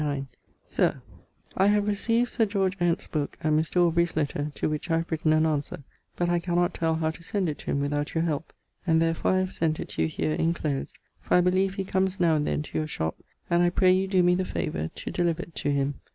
Sir, I have receaved Sir George Ent's booke and Mr. Aubrey's letter, to which I have written an answer, but I cannot tell how to send it to him without your helpe, and therefore I have sent it to you here inclosed, for I believe he comes now and then to your shop, and I pray you doe me the favour to deliver it to him.